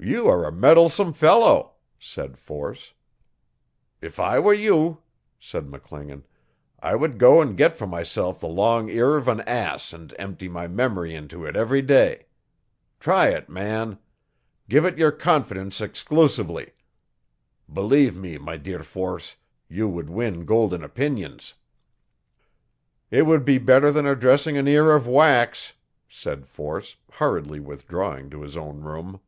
'You are a meddlesome fellow,' said Force. 'If I were you,' said McClingan, 'I would go and get for myself the long ear of an ass and empty my memory into it every day. Try it, man. Give it your confidence exclusively. Believe me, my dear Force, you would win golden opinions. 'It would be better than addressing an ear of wax,' said Force, hurriedly withdrawing to his own room.